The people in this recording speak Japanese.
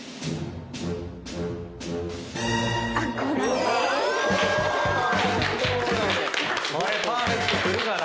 これパーフェクトくるかな。